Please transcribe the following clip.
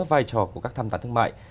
vai trò của các tham tán thương mại